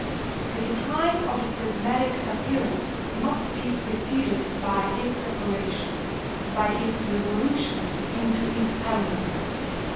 The decline of the prismatic appearance must be preceded by its separation, by its resolution into its elements.